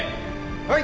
はい。